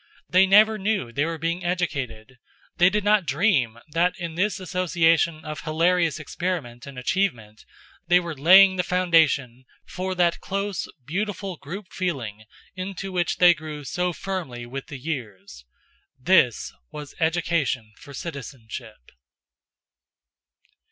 They never knew they were being educated. They did not dream that in this association of hilarious experiment and achievement they were laying the foundation for that close beautiful group feeling into which they grew so firmly with the years. This was education for citizenship.